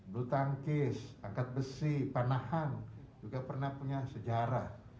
dutangkis angkat besi panahan juga pernah punya sejarah